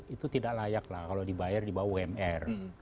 itu tidak layak lah kalau dibayar di bawah umr